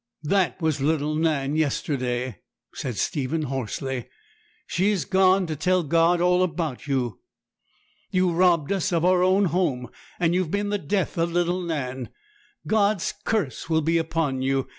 'That was little Nan yesterday,' said Stephen hoarsely; 'she is gone to tell God all about you. You robbed us of our own home; and you've been the death of little Nan. God's curse will be upon you.